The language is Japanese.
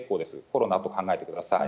コロナと考えてください。